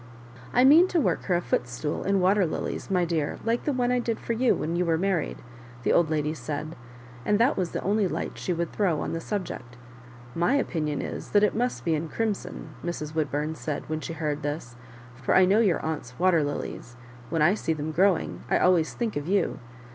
I mean to work her a footstool in water lillies, my dear, like the one I did for you when you were married," the old lady said ; and that was the only light she would throw on the subject. " My opinion is thai it must be in crimson," Mrs. Woodburn said, when she heard this, " for I know your aunt's water lillies. When I see them growing, I al ways think of you.